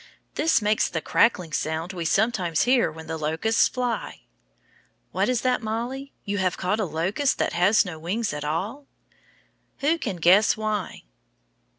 This makes the crackling sound we sometimes hear when the locusts fly. What is that, Mollie? You have caught a locust that has no wings at all? Who can guess why?